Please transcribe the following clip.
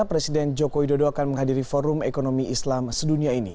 presiden joko widodo akan menghadiri forum ekonomi islam sedunia ini